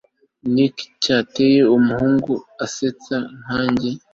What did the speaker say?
Niki cyitaye kumuhungu usetsa nkanjye